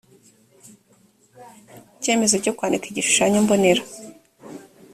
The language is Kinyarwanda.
icyemezo cyo kwandika igishushanyo mbonera